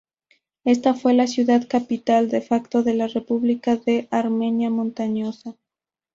Esta fue la ciudad capital, "de facto", de la República de la Armenia Montañosa.